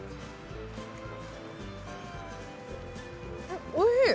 んっおいしい。